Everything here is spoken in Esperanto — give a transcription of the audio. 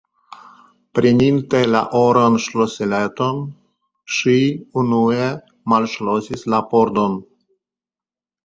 Preninte la oran ŝlosileton, ŝi unue malŝlosis la pordon.